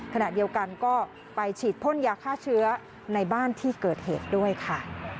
ขณะเดียวกันก็ไปฉีดพ่นยาฆ่าเชื้อในบ้านที่เกิดเหตุด้วยค่ะ